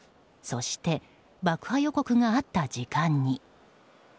そして、爆破予告があった時間に。